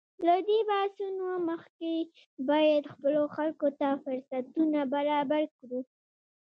له دې بحثونو مخکې باید خپلو خلکو ته فرصتونه برابر کړو.